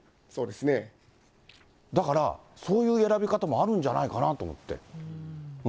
だから、そういう選び方もあるんじゃないかなと思って。